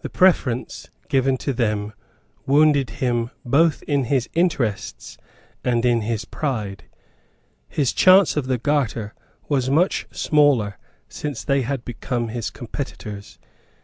The preference given to them wounded him both in his interests and in his pride. His chance of the Garter was much smaller since they had become his competitors.